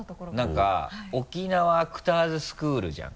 なんか沖縄アクターズスクールじゃん。